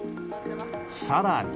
更に。